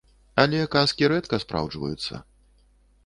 Але казкі рэдка спраўджваюцца.